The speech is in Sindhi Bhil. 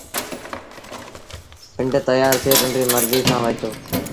پنڊ تيآر ٿئي پنڊريٚ مرزيٚ سآݩٚ وهيٚتو